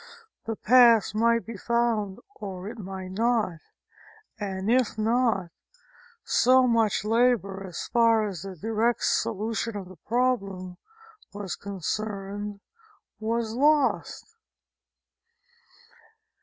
The pass might be found or it might not, and if not, so much labor as far as the direct solution of the problem was concerned was lost.